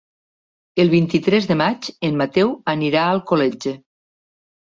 El vint-i-tres de maig en Mateu anirà a Alcoletge.